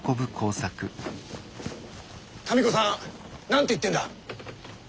民子さん何て言ってんだ？